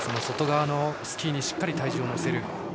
外側のスキーにしっかり体重を乗せると。